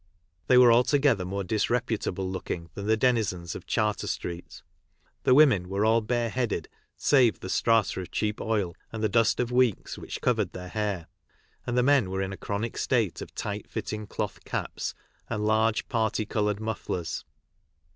They were altogether more disrepu table looking than the denizens of Charter street; the women were all bareheaded, save the strata of cheap oil and the dust of weeks which covered their hair, and the men were in a chronic state of tight fitting cloth caps and large parti coloured mufflers.